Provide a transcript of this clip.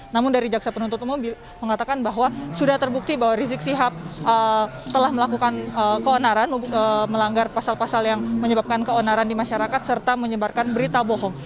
namun dari jaksa penuntut umum mengatakan bahwa sudah terbukti bahwa rizik sihab telah melakukan keonaran melanggar pasal pasal yang menyebabkan keonaran di masyarakat serta menyebarkan berita bohong